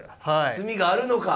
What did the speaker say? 詰みがあるのか。